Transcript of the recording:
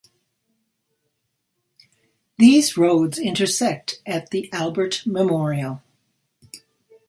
These roads intersect at the Albert Memorial.